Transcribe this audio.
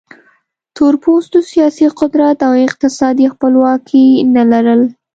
تور پوستو سیاسي قدرت او اقتصادي خپلواکي نه لرل.